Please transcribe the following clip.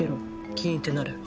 キーンってなる。